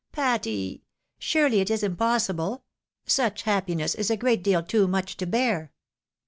Patty? Surely it is impossible ! Such happiness is a great deal too much to bear